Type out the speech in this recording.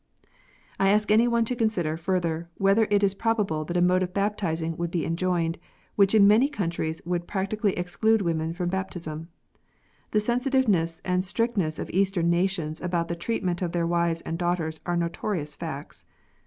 I ask any one to consider, further, whether it is probable that a mode of baptizing would be enjoined, which in many countries would practically exclude women from baptism. The sensitiveness and strictness of Eastern nations about the treat ment of their wives and daughters are notorious facts.